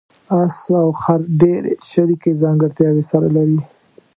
اس او خر ډېرې شریکې ځانګړتیاوې سره لري.